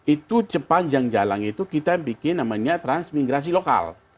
itu sepanjang jalan itu kita bikin namanya transmigrasi lokal